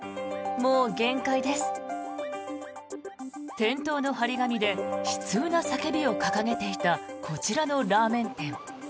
店頭の貼り紙で悲痛な叫びを掲げていたこちらのラーメン店。